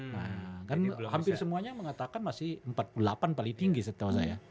nah kan hampir semuanya mengatakan masih empat puluh delapan paling tinggi setahu saya